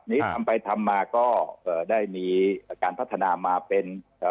นี้ทำไปทำมาก็เอ่อได้มีการพัฒนามาเป็นเอ่อ